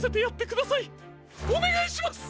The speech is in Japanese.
おねがいします！